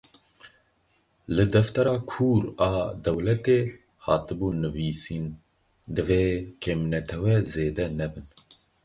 Li deftera kûr a dewletê hatibû nivîsîn, divê kêmnetewe zêde nebin.